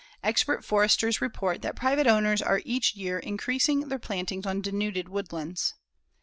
Expert foresters report that private owners are each year increasing their plantings on denuded woodlands.